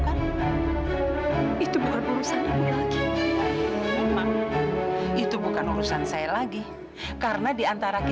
kak tolong bisa lebih cepat sedikit ya kak